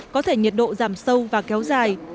có thể nhiệt độ giảm sâu và kéo dài